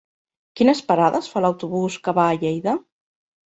Quines parades fa l'autobús que va a Lleida?